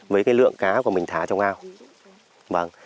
với cái lượng cá của mình thả trong cao